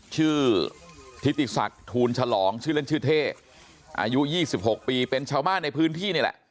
ชื่อทิติศักดิ์ทูลฉลองชื่อเล่นชื่อเท่อายุ๒๖ปีเป็นชาวบ้านในพื้นที่นี่แหละ